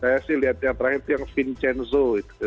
saya sih lihat yang terakhir itu yang vincenzo itu